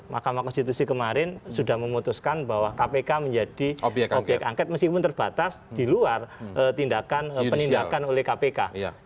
mahkamah konstitusi kemarin sudah memutuskan bahwa kpk menjadi obyek angket meskipun terbatas di luar penindakan oleh kpk